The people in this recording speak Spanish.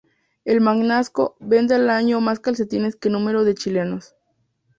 Los Magnasco venden al año más calcetines que número de chilenos.